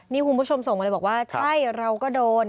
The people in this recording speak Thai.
นี่คุณผู้ชมส่งมาเลยบอกว่าใช่เราก็โดน